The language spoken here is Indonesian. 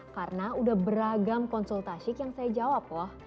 karena udah beragam konsultasik yang saya jawab loh